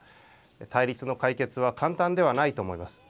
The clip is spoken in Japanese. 対立の解決は簡単ではないと思います。